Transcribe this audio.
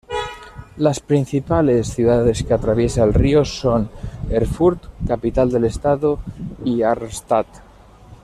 Las principales ciudades que atraviesa el río son Erfurt, capital del estado, y Arnstadt.